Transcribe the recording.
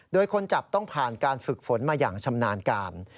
โดยคนจับต้องผ่านการฝึกฝนมาอย่างชำนาญการ